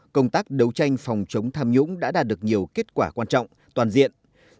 công tác đấu tranh phòng chống tham nhũng đã đạt được nhiều kết quả quan trọng toàn diện